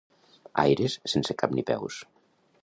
Aires sense cap ni peus.